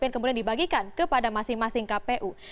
kemudian dibagikan kepada masing masing kpu